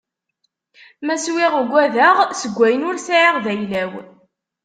Ma swiɣ ugadeɣ, seg ayen ur sɛiɣ d ayla-w.